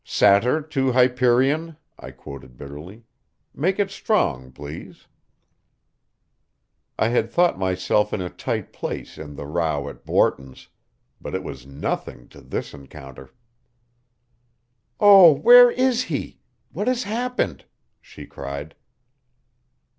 "Satyr to Hyperion," I quoted bitterly. "Make it strong, please." I had thought myself in a tight place in the row at Borton's, but it was nothing to this encounter. "Oh, where is he? What has happened?" she cried.